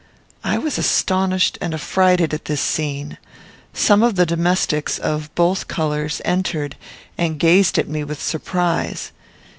I was astonished and affrighted at this scene. Some of the domestics, of both colours, entered, and gazed at me with surprise.